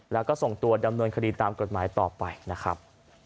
แล้วก็ส่งตัวดำเนินคดีตามกฎหมายต่อไปนะครับ